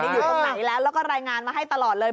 อยู่ตรงไหนแล้วแล้วก็รายงานมาให้ตลอดเลย